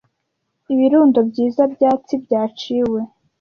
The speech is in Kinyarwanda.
Ibirundo byiza byatsi byaciwe,